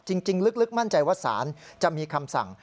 จริงลึกมั่นใจว่าศาลจะมีคำสั่ง